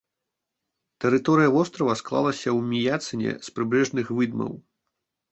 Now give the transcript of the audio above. Тэрыторыя вострава склалася ў міяцэне з прыбярэжных выдмаў.